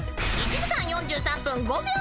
［１時間４３分５秒］